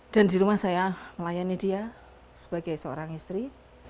dan di rumah saya melayani dia sebagai seorang istri